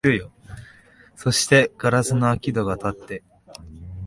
そして硝子の開き戸がたって、